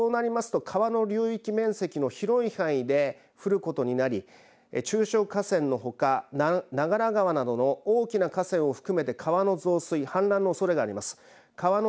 そうなりますと川の流域面積の広い範囲で降ることになり中小河川のほか、長良川などの大きな河川を含めて川の増水氾濫のおそれがあります。